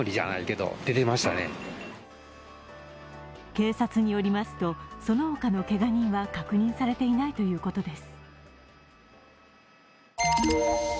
警察によりますとその他のけが人は確認されていないということです。